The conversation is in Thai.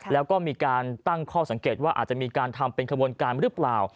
แล้วก็มีการตั้งข้อสังเกตว่าอาจจะมีการทำเป็นขบวนการหรือเปล่า